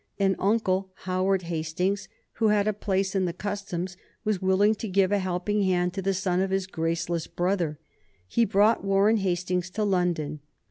An uncle, Howard Hastings, who had a place in the Customs, was willing to give a helping hand to the son of his graceless brother. He brought Warren Hastings to London.